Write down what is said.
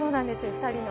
２人の。